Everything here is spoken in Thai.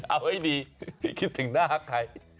เอาให้ดีคิดถึงหน้าใคร